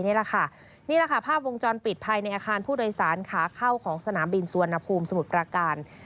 นี่แหละภาพวงจรปิดภัยในอาคารผู้โดยสารขาเข้าของสนามบินสวรรณภูมิสมุทรประการ